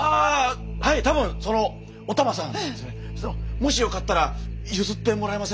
もしよかったら譲ってもらえませんか？